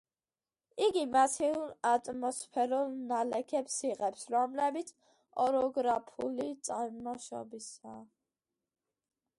იგი მასიურ ატმოსფერულ ნალექებს იღებს, რომლებიც ოროგრაფიული წარმოშობისაა.